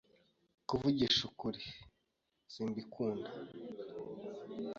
Kuvugisha ukuri, simbikunda.